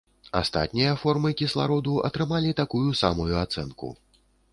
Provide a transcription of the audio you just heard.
Астатнія формы кіслароду атрымалі такую самую ацэнку.